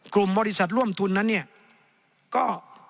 กลุ่มบริษัทร่วมทุนนั้นเนี่ยก็